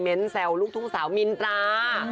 เม้นเซลลูกทุ่งสาวมีนตรา